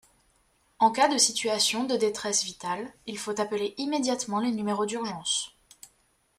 En cas de situation de détresse vitale, il faut appeler immédiatement les numéros d'urgence.